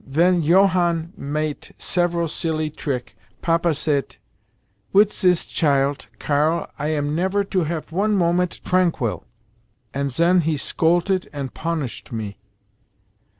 Ven Johann mate several silly trick Papa sayt, 'Wit sis chilt Karl I am never to have one moment tranquil!' and zen he scoltet and ponishet me.